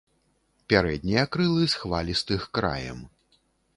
Пярэднія крылы з хвалістых краем.